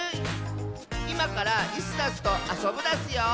いまから「イスダス」とあそぶダスよ！